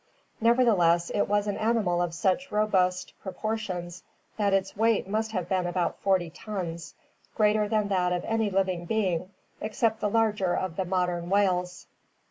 Nevertheless it was an animal of such robust proportions that its weight must have been about 40 tons — greater than that of any living being except the larger of the modern whales.